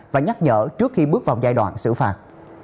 và nhắc nhở trước khi bước vào giai đoạn xử phạt